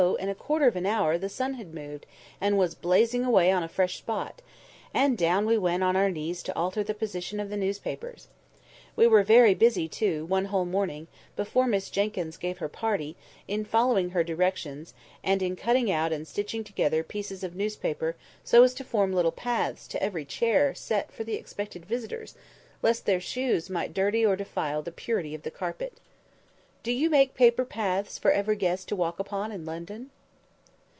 in a quarter of an hour the sun had moved, and was blazing away on a fresh spot; and down again we went on our knees to alter the position of the newspapers. We were very busy, too, one whole morning, before Miss Jenkyns gave her party, in following her directions, and in cutting out and stitching together pieces of newspaper so as to form little paths to every chair set for the expected visitors, lest their shoes might dirty or defile the purity of the carpet. Do you make paper paths for every guest to walk upon in London?